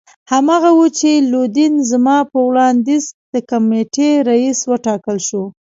هماغه وو چې لودین زما په وړاندیز د کمېټې رییس وټاکل شو.